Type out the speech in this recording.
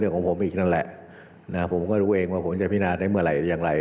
นะครับผมก็รู้เองว่าผมจะพินาศในเมื่อไรหรือยังไร